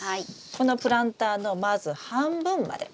このプランターのまず半分まで。